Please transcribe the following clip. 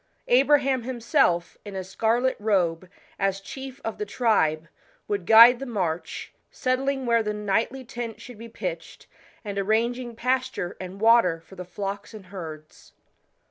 Abraham himself, in a scarlet robe, as chief of the i,nbe, would guide the march, settling where the nightly tent should be pitched, and arranging pasture and water for the flocks and herds.